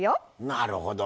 なるほど。